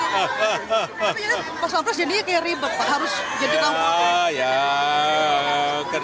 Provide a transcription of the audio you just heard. tapi ya pas pampres jadinya kayak ribet pak harus jadi kampung kan